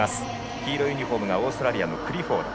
黄色いユニフォームがオーストラリアのクリフォード。